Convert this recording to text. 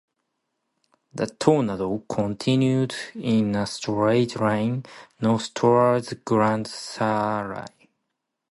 The tornado continued in a straight line north towards Grand Saline.